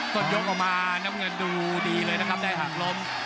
ต้นยกออกมาดูดีเลยนะครับได้หังล้ม